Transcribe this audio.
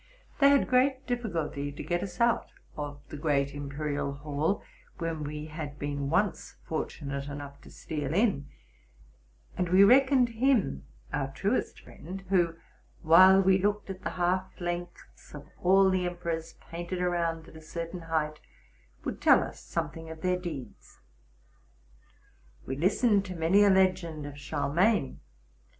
They had great difficulty to get us out of the 18 TRUTH AND FICTION great imperial hall, when we had been once fortunate enough to steal in; and we reckoned him our truest friend, who, while we looked at the half lengths of all the emperors painted around at a certain height, would tell us something of their deeds. We listened to many a legend of Charlemagne.